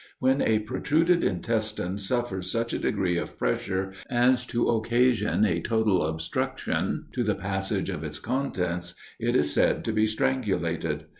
When a protruded intestine suffers such a degree of pressure, as to occasion a total obstruction to the passage of its contents, it is said to be strangulated.